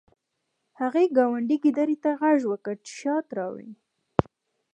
هغې ګاونډي ګیدړ ته غږ وکړ چې شات راوړي